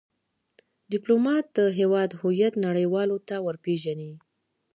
ډيپلومات د هیواد هویت نړېوالو ته ور پېژني.